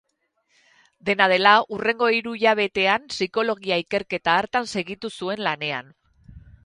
Dena dela, hurrengo hiru hilabetean psikologia ikerketa hartan segitu zuen lanean.